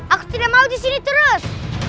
aku tidak mau disini terus